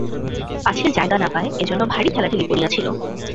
পাছে জায়গা না পায় এজন্য ভারি ঠেলাঠেলি পড়িয়াছিল।